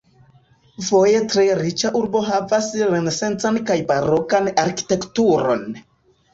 Foje tre riĉa urbo havas renesancan kaj barokan arkitekturon.